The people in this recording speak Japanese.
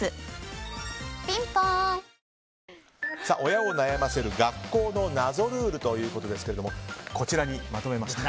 親を悩ませる学校の謎ルールということですけれどもこちらにまとめました。